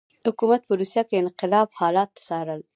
حکومت په روسیه کې انقلاب حالات څارل.